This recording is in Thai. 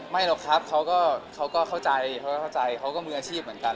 ไม่หรอกครับเขาก็เข้าใจเขาก็ค่อยมืออาชีพเหมือนกัน